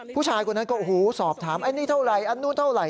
ผู้ชายคนนั้นก็โอ้โหสอบถามไอ้นี่เท่าไรอันนู้นเท่าไหร